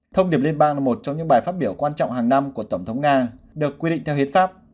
thông điệp liên bang là một trong những bài phát biểu quan trọng hàng năm của tổng thống nga được quy định theo hiến pháp